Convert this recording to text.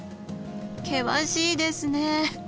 険しいですね。